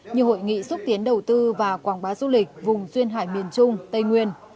như hội nghị xúc tiến đầu tư và quảng bá du lịch vùng duyên hải miền trung tây nguyên